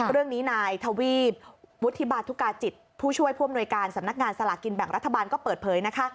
เรื่องนี้นายทวีปวุฒิบาธุกาจิตผู้ช่วยผู้อำนวยการสำนักงานสลากินแบ่งรัฐบาลก็เปิดเผยนะคะ